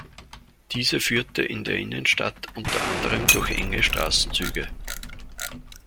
Diese führte in der Innenstadt unter anderem durch enge Straßenzüge.